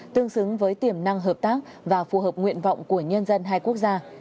tương xứng với tiềm năng hợp tác và phù hợp nguyện vọng của nhân dân hai quốc gia